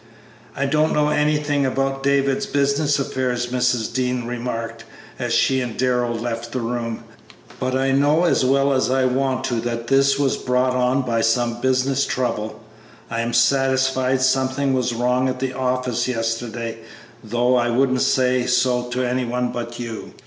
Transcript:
"I don't know anything about David's business affairs," Mrs. Dean remarked, as she and Darrell left the room, "but I know as well as I want to that this was brought on by some business trouble. I am satisfied something was wrong at the office yesterday, though I wouldn't say so to any one but you."